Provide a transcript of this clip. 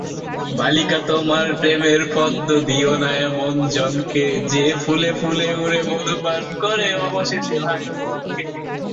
British Film Institute প্রতি মাসে "Sight and Sound" magazine এবং ব্লু-রে, ডিভিডি ও বই প্রকাশ করে।